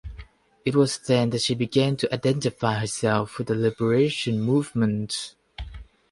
It was then that she began to identify herself with the liberation movement.